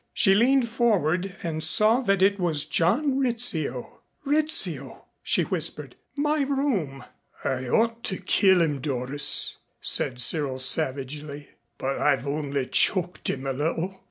She leaned forward and saw that it was John Rizzio. "Rizzio!" she whispered. "My room!" "I ought to kill him, Doris," said Cyril savagely, "but I've only choked him a little.